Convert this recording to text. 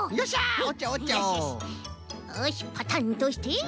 よしパタンとして。